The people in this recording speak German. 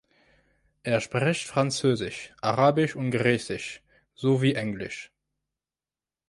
Er spricht Französisch, Arabisch und Griechisch sowie Englisch.